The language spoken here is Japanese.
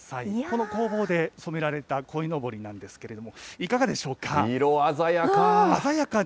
この工房で染められたこいのぼりなんですけれども、いかがでしょ色鮮やか。